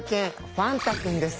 ファンタ君です。